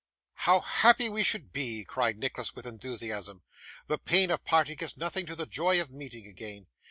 'How happy we should be!' cried Nicholas with enthusiasm. 'The pain of parting is nothing to the joy of meeting again.